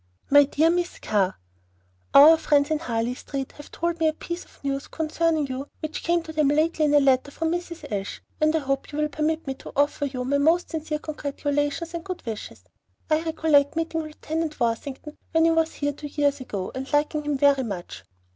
MY DEAR MISS CARR, Our friends in Harley Street have told me a piece of news concerning you which came to them lately in a letter from Mrs. Ashe, and I hope you will permit me to offer you my most sincere congratulations and good wishes. I recollect meeting Lieutenant Worthington when he was here two years ago, and liking him very much.